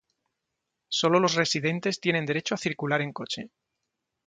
Solo los residentes tienen derecho a circular en coche.